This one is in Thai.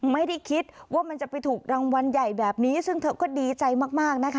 ไม่ได้คิดว่ามันจะไปถูกรางวัลใหญ่แบบนี้ซึ่งเธอก็ดีใจมากนะคะ